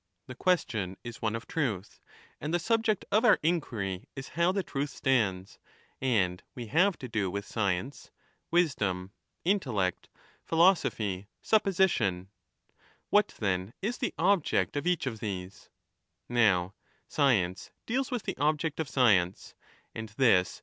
The question is one of truth, and the subject of our inquiry is how the truth stands, and we have to do with science, wisdom, intellect, philosophy, supposition. What, then, is the object of each of these? Now science deals with the object of science, and this \2 2>z = E.N. 1 138I' 35 1139^15. 34 38 = £".7^. 1139^15 17. 2,% li<)7^ 2 = E.